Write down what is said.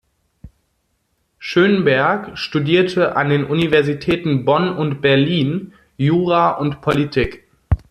Schönberg studierte an den Universitäten Bonn und Berlin Jura und Politik.